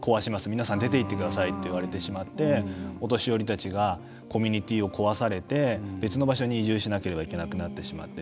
皆さん、出ていってくださいといわれてしまってお年寄りたちがコミュニティーを壊されて別の場所に移住しなければいけなくなってしまって。